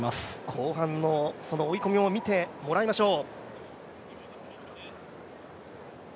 後半の追い込みも見てもらいましょう。